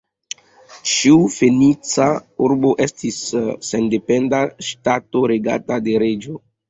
Ĉiu Fenica urbo estis sendependa ŝtato regata de reĝo.